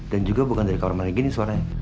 dan juga bukan dari kamar mandi gini suaranya